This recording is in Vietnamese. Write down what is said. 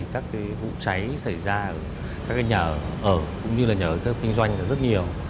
các vụ cháy xảy ra ở các nhà ở cũng như nhà ở kết hợp kinh doanh rất nhiều